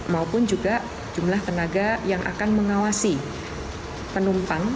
maupun juga jumlah tenaga yang akan mengawasi penumpang